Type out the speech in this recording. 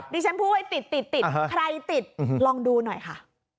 นี่ฉันพูดติดใครติดลองดูหน่อยค่ะ